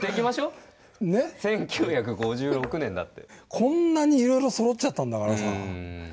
こんなにいろいろそろっちゃったんだからさ。